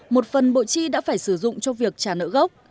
một phần bộ chi đã phải sử dụng cho việc trả nợ gốc